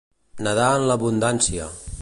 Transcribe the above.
Nedar en l'abundància.